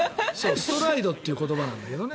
ストライドという言葉なんだけどね